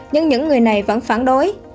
nhưng những người này vẫn phản đối